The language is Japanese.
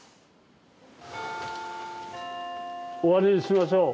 終わりにしましょう。